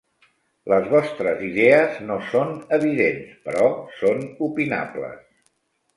Les vostres idees no són evidents, però són opinables.